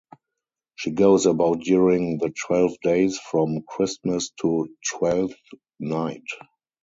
She goes about during the twelve days from Christmas to Twelfth Night.